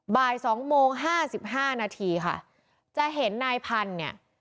บ่าย๒โมง๕๕นาทีค่ะจะเห็นนายพันธุ์เนี่ย